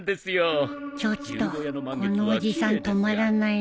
ちょっとこのおじさん止まらないね